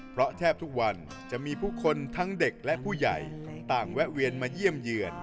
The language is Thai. เพราะแทบทุกวันจะมีผู้คนทั้งเด็กและผู้ใหญ่ต่างแวะเวียนมาเยี่ยมเยือน